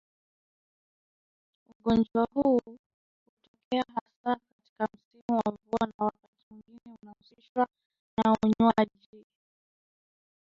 Ugonjwa huu hutokea hasa katika msimu wa mvua na wakati mwingine unahusishwa na unywaji